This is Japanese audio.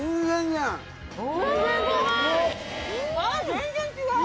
全然違う！